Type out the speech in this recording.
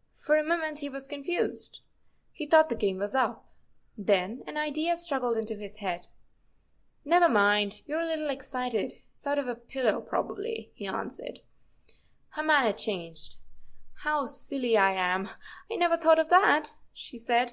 " For a moment he was confused. He thought the game was up. Then an idea struggled into his head. " Never mind; you 're a little excited. It's out of a pillow, probably," he answered. Her manner changed. " How silly I am; I never thought of that," she said.